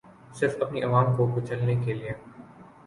صرف اپنی عوام کو کچلنے کیلیے